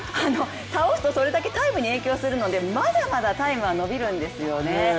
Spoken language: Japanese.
倒すとそれだけタイムに影響するのでまだまだタイムは伸びるんですよね。